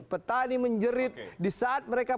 petani menjerit di saat mereka